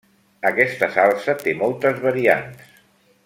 Aquesta salsa té moltes variants.